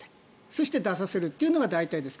そして、出させるというのが大体です。